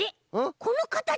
このかたち？